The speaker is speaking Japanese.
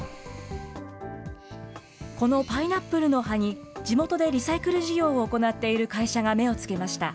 このパイナップルの葉に地元でリサイクル事業を行っている会社が目をつけました。